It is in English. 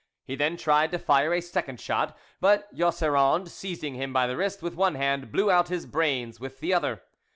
He then tried to fire a second shot, but Jausserand, seizing him by the wrist with one hand, blew out his brains with the other.